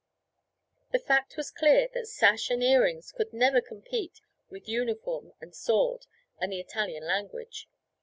The fact was clear that sash and earrings could never compete with uniform and sword and the Italian language.